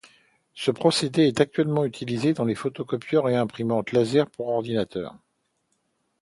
Ce procédé est actuellement utilisé dans les photocopieurs et les imprimantes laser pour ordinateurs.